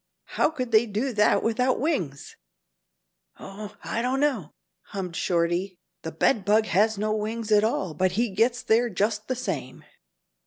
How could they do that without wings?" "Oh, I don't know," hummed Shorty: "The bed bug has no wings at all But he gets there just the same."